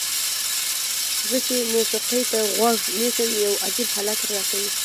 زه چې موسیقۍ ته غوږ نیسم یو عجیب حالت راکوي.